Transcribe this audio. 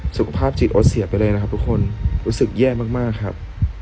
สุขภาพจิตโอ๊ตเสียไปเลยนะครับทุกคนรู้สึกแย่มากครับ